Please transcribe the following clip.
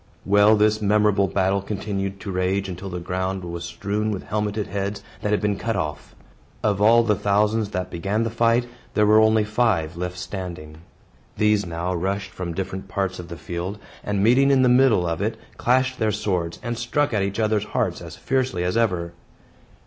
Well, this memorable battle continued to rage until the ground was strewn with helmeted heads that had been cut off. Of all the thousands that began the fight, there were only five left standing. These now rushed from different parts of the field, and, meeting in the middle of it, clashed their swords, and struck at each other's hearts as fiercely as ever.